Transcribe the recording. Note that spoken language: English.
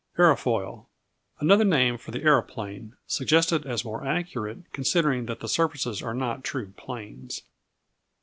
Aerofoil Another name for the aeroplane, suggested as more accurate, considering that the surfaces are not true planes.